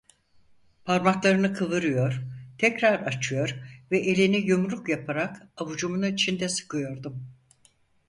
Parmaklarını kıvırıyor, tekrar açıyor ve elini yumruk yaparak avucumun içinde sıkıyordum.